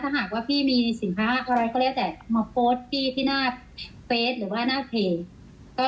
หากว่าพี่มีสินค้าอะไรก็แล้วแต่มาโพสต์พี่ที่หน้าเฟสหรือว่าหน้าเพจ